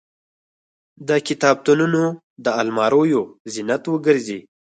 د کتابتونونو د الماریو زینت وګرځي.